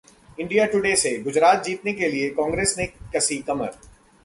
India today से: गुजरात जीतने के लिए कांग्रेस ने कसी कमर